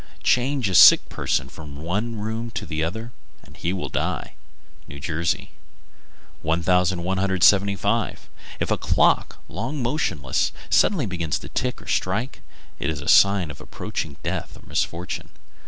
Change a sick person from one room to another, and he will die. New Jersey. 1175. If a clock, long motionless, suddenly begins to tick or strike, it is a sign of approaching death or misfortune.